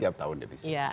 setiap tahun defisit